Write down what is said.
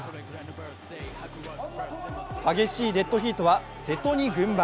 激しいデッドヒートは瀬戸に軍配。